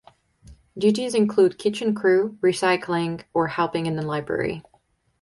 Duties include kitchen crew, recycling, or helping in the library.